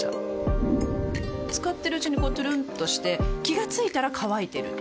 使ってるうちにこうトゥルンとして気が付いたら乾いてる